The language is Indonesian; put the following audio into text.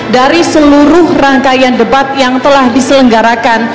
dari seluruh rangkaian debat yang telah diselenggarakan